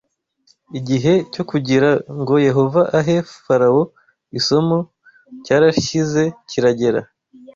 Igihe cyo kugira ngo Yehova ahe Farawo isomo cyarashyize kiragera